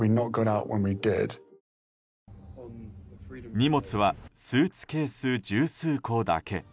荷物はスーツケース十数個だけ。